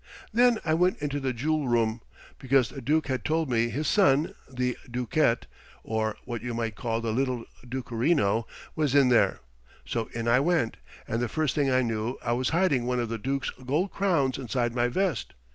Then I went into the jool room, because the Dook had told me his son, the Dookette, or what you might call the little Dookerino, was in there. So in I went, and the first thing I knew I was hiding one of the Dook's gold crowns inside my vest.